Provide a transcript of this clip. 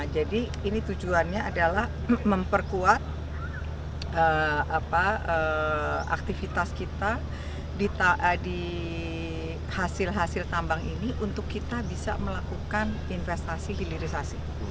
jadi ini tujuannya adalah memperkuat aktivitas kita di hasil hasil tambang ini untuk kita bisa melakukan investasi bilirisasi